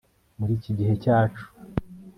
muri iki gihe cyacu